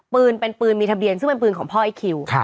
ปืนเป็นปืนมีทะเบียนซึ่งเป็นปืนของพ่อไอ้คิว